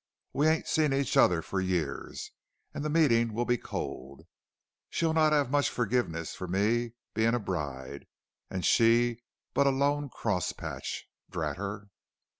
We ain't seen each other fur years, and the meetin' will be cold. She'll not have much forgiveness fur me bein' a bride, when she's but a lone cross patch, drat her."